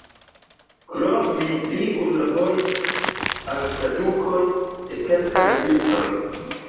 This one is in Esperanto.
Krome li kunlaboris al tradukoj de kelkaj libroj.